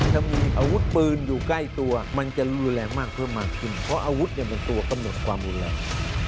ถ้ามีอาวุธปืนอยู่ใกล้ตัวมันจะรุนแรงมากเพิ่มมากขึ้นเพราะอาวุธเนี่ยมันตัวกำหนดความรุนแรง